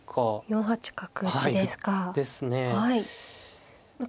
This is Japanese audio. ４八角打ちですか。